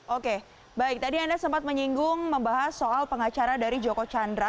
oke baik tadi anda sempat menyinggung membahas soal pengacara dari joko chandra